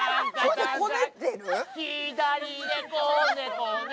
左でこねこね。